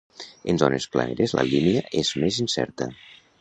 En zones planeres la línia és més incerta.